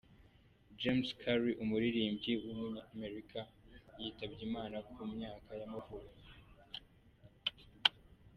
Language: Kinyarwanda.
James Carr, umuririmbyi w’umunyamerika yitabye Imana, ku myaka y’amavuko.